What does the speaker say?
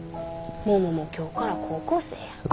桃も今日から高校生や。